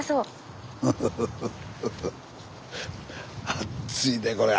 あっついでこれ。